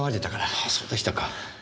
ああそうでしたか。